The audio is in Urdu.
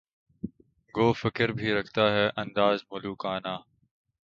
گو فقر بھی رکھتا ہے انداز ملوکانہ